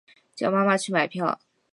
叫妈妈去买票